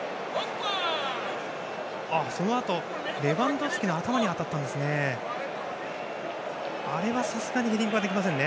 そのあと、レバンドフスキの頭に当たったんですね。